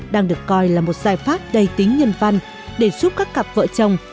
đang được coi là một giải pháp đầy tính nhân văn để giúp các cặp vợ chồng